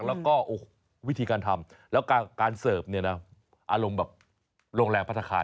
แล้วก็วิธีการทำแล้วการเสิร์ฟเนี่ยนะอารมณ์แบบโรงแรมพัฒนาคาร